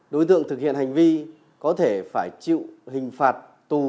đối tượng thực hiện hành vi có thể phải chịu hình phạt tù